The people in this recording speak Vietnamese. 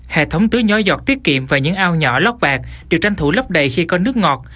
hệ thống tưới nhỏ giọt tiết kiệm và những ao nhỏ lót bạc được tranh thủ lấp đầy khi có nước ngọt